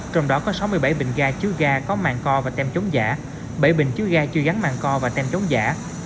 trong đó có sáu mươi bảy bình gà chứa gà có màn co và tem chống giả bảy bình chứa gà chưa gắn màn co và tem chống giả